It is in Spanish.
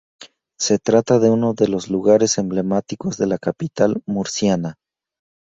Se trata de uno de los lugares emblemáticos de la capital murciana.